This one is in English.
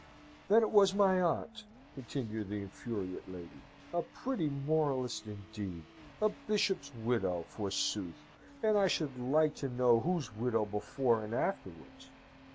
"Then it was my aunt," continued the infuriate lady. "A pretty moralist, indeed! A bishop's widow, forsooth, and I should like to know whose widow before and afterwards.